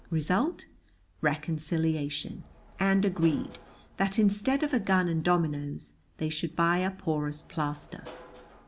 Result: reconciliation, and agreed, that instead of a gun and dominoes, they should buy a porous plaster.